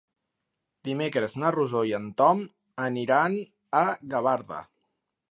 Dimecres na Rosó i en Tom aniran a Gavarda.